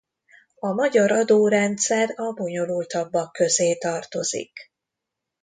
A magyar adórendszer a bonyolultabbak közé tartozik.